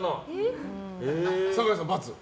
坂井さん、×？